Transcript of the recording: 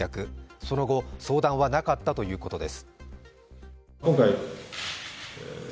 その後、相談はなかったということです。